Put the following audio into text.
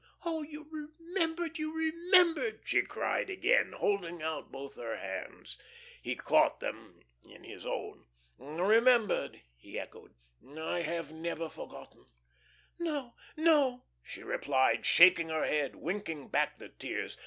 "Oh, you remembered, you remembered!" she cried again, holding out both her hands. He caught them in his own. "Remembered!" he echoed. "I have never forgotten." "No, no," she replied, shaking her head, winking back the tears.